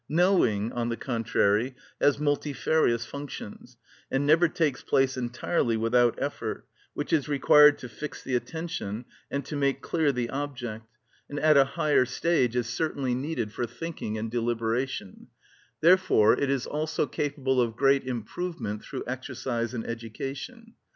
Knowing, on the contrary, has multifarious functions, and never takes place entirely without effort, which is required to fix the attention and to make clear the object, and at a higher stage is certainly needed for thinking and deliberation; therefore it is also capable of great improvement through exercise and education.